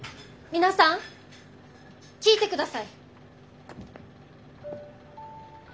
皆さん聞いてください！